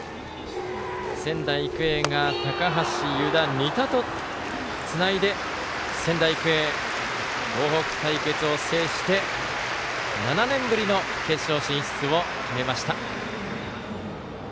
仙台育英が高橋、湯田、仁田とつないで仙台育英、東北対決を制して７年ぶりの決勝進出を決めました。